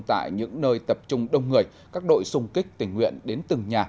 tại những nơi tập trung đông người các đội xung kích tình nguyện đến từng nhà